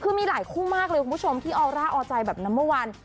คือไม่หลายคู่มากเลยคุณผู้ชมที่ออลระออใจแบบหน้าเมื่อวาน